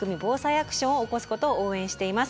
アクションを起こすことを応援しています。